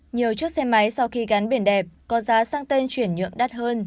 nhiều chiếc xe máy sau khi gắn biển đẹp có giá sang tên chuyển nhượng đắt hơn